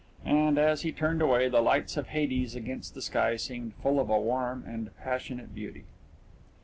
And, as he turned away, the lights of Hades against the sky seemed full of a warm and passionate beauty.